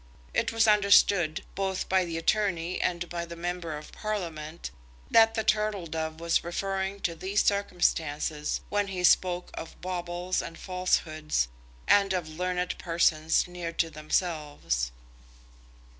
It was understood, both by the attorney and by the Member of Parliament, that the Turtle Dove was referring to these circumstances when he spoke of baubles and falsehoods, and of learned persons near to themselves.